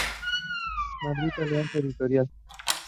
Madrid: Alianza Editorial.